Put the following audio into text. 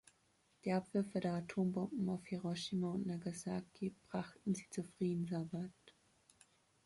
Die Abwürfe der Atombomben auf Hiroshima und Nagasaki brachten sie zur Friedensarbeit.